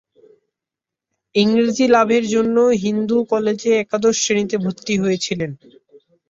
ইংরেজি লাভের জন্য হিন্দু কলেজে একাদশ শ্রেণীতে ভর্তি হয়েছিলেন।